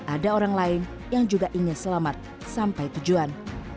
ada orang lain yang juga ingin selamat sampai tujuan